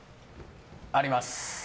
あります。